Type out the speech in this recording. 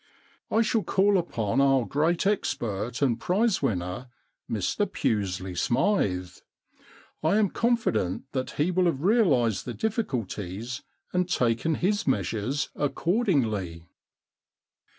I shall call upon our great expert and prize winner, Mr Pusely Smythe. I am confident that he will have realised the difficulties and taken his measures accordingly.'